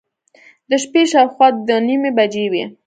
د شپې شاوخوا دوه نیمې بجې وې.